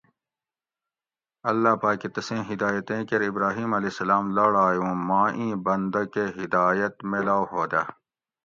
اللّٰہ پاکہ تسیں ھدایِتیں کیر ابراھیم (ع) لاڑائی اُوں ماں اِیں بندہ کہ ھدایت میلاؤ ہودہ